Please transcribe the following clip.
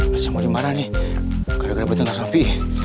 mas kamu gimana nih gak ada gara gara berhenti sama bi